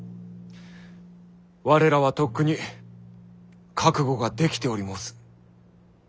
我らはとっくに覚悟ができており申す。